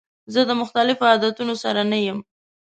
زه د مختلفو عادتونو سره نه یم.